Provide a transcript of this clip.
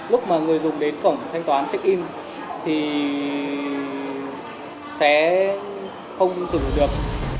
lúc mà người dùng đến cổng thanh toán check in thì sẽ không sử dụng được